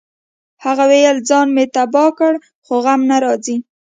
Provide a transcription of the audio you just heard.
هغه ویل ځان مې تباه کړ خو غم نه راځي